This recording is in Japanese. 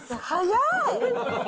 早い！